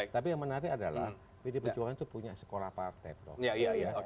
tapi yang menarik adalah pdi perjuangan itu punya sekolah partai prof